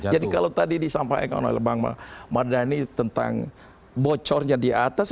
jadi kalau tadi disampaikan oleh bang mardhani tentang bocornya di atas